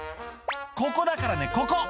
「ここだからねここ！」